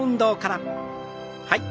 はい。